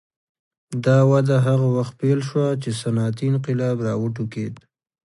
دا وده هغه وخت پیل شوه چې صنعتي انقلاب راوټوکېد.